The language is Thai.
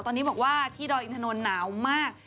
ตอนนี้บอกว่าที่ดอยอินทนนท์หนาวมาก